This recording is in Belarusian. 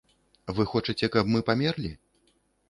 Вы хочаце, каб мы памерлі?!